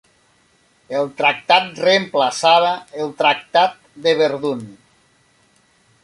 El tractat reemplaçava el Tractat de Verdun.